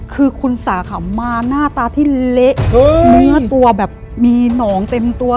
คือคุณสาขามาหน้าตาที่เละเนื้อตัวแบบมีหนองเต็มตัว